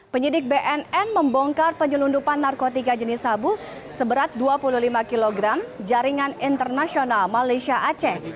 penyidik bnn membongkar penyelundupan narkotika jenis sabu seberat dua puluh lima kg jaringan internasional malaysia aceh